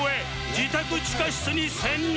自宅地下室に潜入！